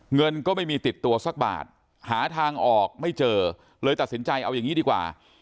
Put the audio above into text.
เงินก็ไม่มีติดตัวสักบาทหาทางออกไม่เจอเลยตัดสินใจเอาอย่างนี้ดีกว่า